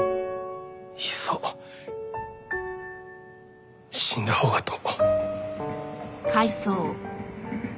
いっそ死んだほうがと。